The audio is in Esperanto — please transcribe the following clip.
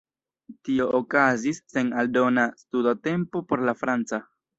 Tio okazis sen aldona studotempo por la franca.